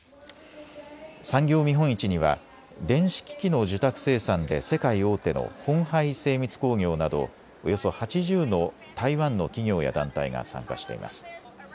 産業見本市には電子機器の受託生産で世界大手のホンハイ精密工業などおよそ８０の台湾の企業や団体が参加しています。